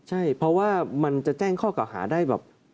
ใช่เพราะว่ามันจะแจ้งข้อเก่าหาได้แบบ